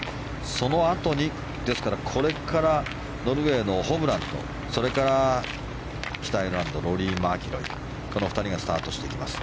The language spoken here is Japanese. そのあとにこれからノルウェーのホブランとそれから北アイルランドローリー・マキロイこの２人がスタートしていきます。